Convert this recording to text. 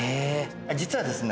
実はですね